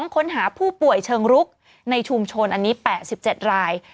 ค้นหาผู้ป่วยเชิงรุกในชุมชนอันนี้๘๗ราย